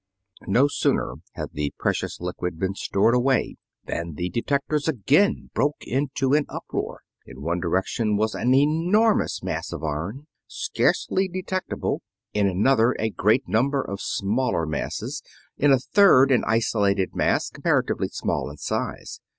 No sooner had the precious fluid been stored away than the detectors again broke into an uproar. In one direction was an enormous mass of iron, scarcely detectable; in another a great number of smaller masses; in a third an isolated mass, comparatively small in size.